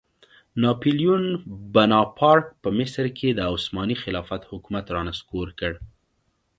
ناپیلیون بناپارټ په مصر کې د عثماني خلافت حکومت رانسکور کړ.